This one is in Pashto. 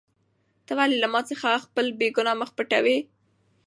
ته ولې له ما څخه خپل بېګناه مخ پټوې؟